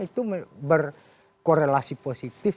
itu berkorelasi positif